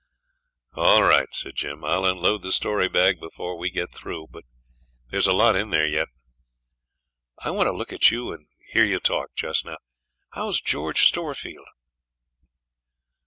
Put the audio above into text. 'All right,' said Jim. 'I'll unload the story bag before we get through; there's a lot in there yet; but I want to look at you and hear you talk just now. How's George Storefield?'